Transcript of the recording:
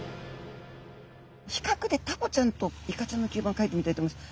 ひかくでタコちゃんとイカちゃんの吸盤かいてみたいと思います。